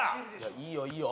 いいよいいよ。